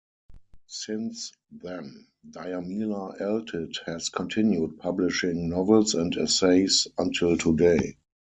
Since then Diamela Eltit has continued publishing novels and essays until today.